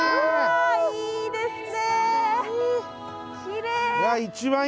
あいいですね！